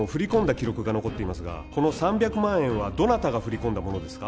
記録が残っていますがこの３００万円はどなたが振り込んだものですか？